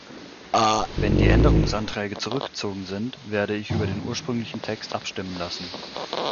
Wenn die Änderungsanträge zurückgezogen sind, werde ich über den ursprünglichen Text abstimmen lassen.